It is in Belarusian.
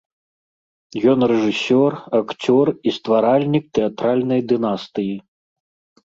Ён рэжысёр, акцёр і стваральнік тэатральнай дынастыі.